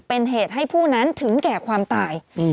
เป็นเหตุให้ผู้นั้นถึงแก่ความตาย